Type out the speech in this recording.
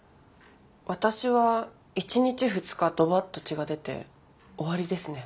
私は１日２日ドバッと血が出て終わりですね。